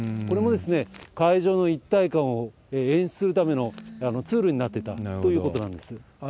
これも会場の一体感を演出するためのツールになってたということなんです。